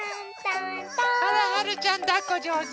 あらはるちゃんだっこじょうず。